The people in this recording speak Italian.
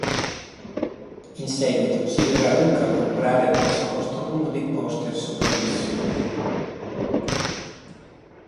In seguito, si vedrà Ruka comprare di nascosto uno dei poster sopravvissuti.